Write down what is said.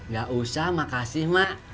gak usah makasih mak